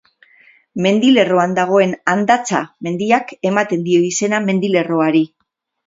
Mendilerroan dagoen Andatza mendiak ematen dio izena mendilerroari.